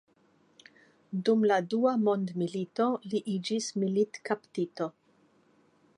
Dum la dua mondmilito li iĝis militkaptito.